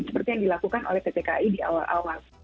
seperti yang dilakukan oleh pt kai di awal awal